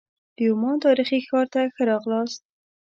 د عمان تاریخي ښار ته ښه راغلاست.